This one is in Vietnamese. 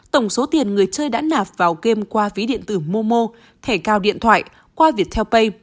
tổng số tiền người chơi đã nạp vào game qua ví điện tử momo thẻ cao điện thoại qua việc theo pay